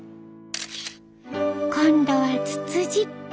今度はツツジ。